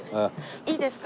いいですか？